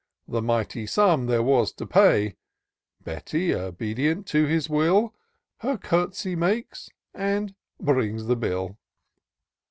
The mighty sum there was to pay : Betty, obedient to his will, Her court'sy makes, and brings the bill.